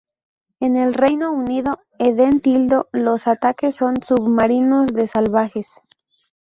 En el Reino Unido, Eden tildó los ataques con submarinos de salvajes.